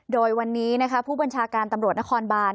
โดยวันนี้ผู้บัญชาการตำรวจนครบาน